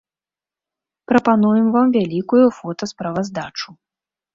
Прапануем вам вялікую фотасправаздачу.